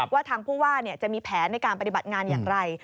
ว่าทางผู้ว่าจะมีแผนในการปฏิบัติงานอย่างไร